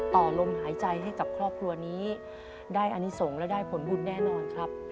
ต่อลมหายใจให้กับครอบครัวนี้ได้อนิสงฆ์และได้ผลบุญแน่นอนครับ